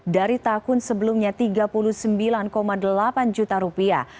dari tahun sebelumnya rp tiga puluh sembilan delapan juta